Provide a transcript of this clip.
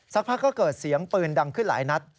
สักพักก็เกิดเสียงปืนดังขึ้นหลายนัด